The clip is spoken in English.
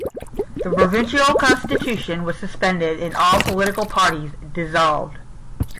The provisional constitution was suspended and all political parties dissolved.